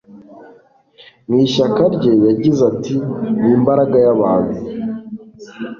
mu ishyaka rye yagize ati 'ni imbaga y'abantu